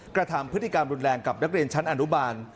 กระทำพฤติกรรมรุนแรงกับนักเรียนชั้นอนุบาล